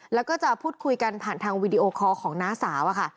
แล้วก็จะพูดคุยกันผ่านทางวีดีโอคอลของน้าสาวอะค่ะ